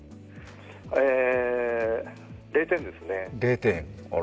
０点ですね。